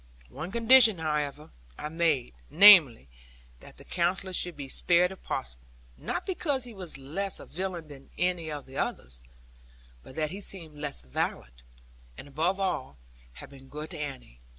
One condition, however, I made, namely, that the Counsellor should be spared if possible; not because he was less a villain than any of the others, but that he seemed less violent; and above all, had been good to Annie.